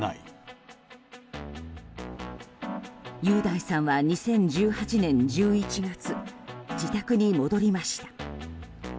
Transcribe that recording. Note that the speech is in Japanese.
雄大さんは２０１８年１１月自宅に戻りました。